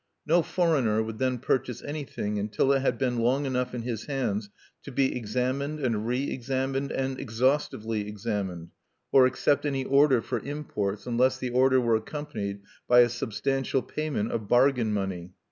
No foreigner would then purchase anything until it had been long enough in his hands to be examined and re examined and "exhaustively" examined, or accept any order for imports unless the order were accompanied by "a substantial payment of bargain money"(1).